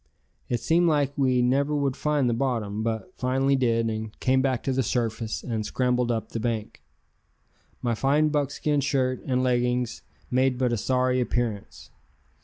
It seemed like we never would find the bottom, but finally did, and came back to the surface and scrambled up the bank. My fine buckskin shirt and leggings made but a sorry appearance.